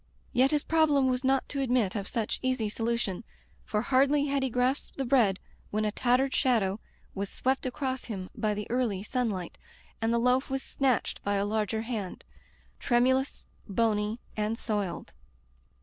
Yet his problem was not to admit of such easy solution, for hardly had he grasped the bread when a tattered shadow was swept across him by the early sunlight, and the loaf was snatched by a larger hand — trem ulous, bony, and soiled.